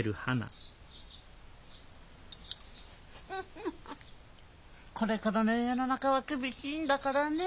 フフフこれからの世の中は厳しいんだからね。